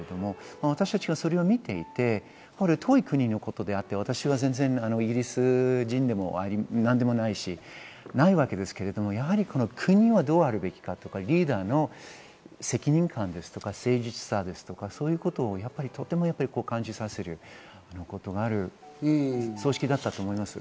私たちがそれを見ていて、遠い国のことであって、私は全然イギリス人でもないし、でも国はどうあるべきか、リーダーの責任感とか誠実さとか、そういうことをとても感じさせることができる葬式だったと思います。